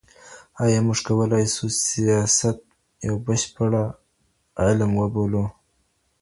ایا موږ کولای سو سیاست یو بشپړ علم وبولو؟